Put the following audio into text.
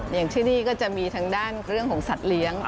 อย่างที่นี่ก็จะมีทางด้านเรื่องของสัตว์เลี้ยง